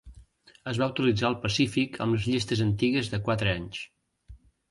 Es va utilitzar al Pacífic amb les llistes antigues de quatre anys.